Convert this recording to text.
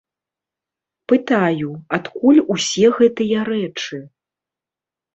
Пытаю, адкуль усе гэтыя рэчы.